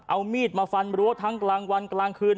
เอามีดมาฟันรั้วทั้งกลางวันกลางคืน